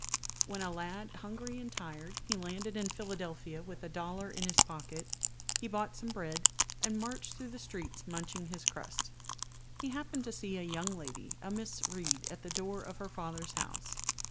] When a lad, hungry and tired, he landed in Philadelphia with a dollar in his pocket, he bought some bread, and marched through the streets munching his crust. He happened to see a young lady, a Miss Read, at the door of her father's house.